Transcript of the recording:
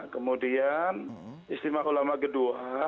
kemudian istimewa ulama kedua